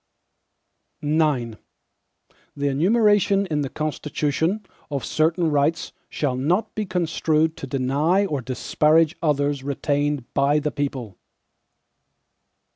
IX The enumeration in the Constitution, of certain rights, shall not be construed to deny or disparage others retained by the people.